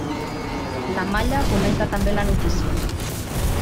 La Malla comenta també la notícia.